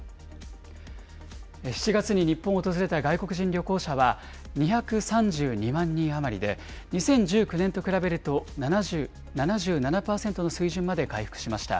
７月に日本を訪れた外国人旅行者は、２３２万人余りで、２０１９年と比べると７７％の水準まで回復しました。